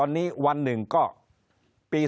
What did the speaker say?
คนในวงการสื่อ๓๐องค์กร